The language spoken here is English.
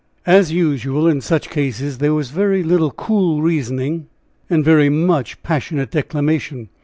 As usual in such cases, there was very little cool reasoning, and very much passionate declamation.